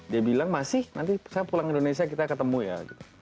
dia bilang masih nanti saya pulang ke indonesia kita ketemu ya